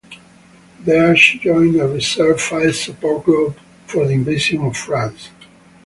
There she joined a Reserve Fire Support Group for the invasion of France.